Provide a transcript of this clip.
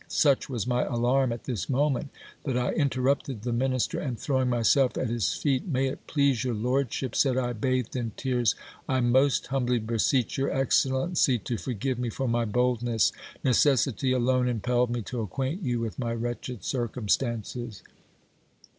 Such was my alarm at this moment, that I interrupted the minister, and throwing myself at his feet, May it please your lordship, said I, bathed in tears, I most humbly beseech your excellency to forgive me for my boldness ; necessity alone impelled me to acquaint you with my wretched circumstances.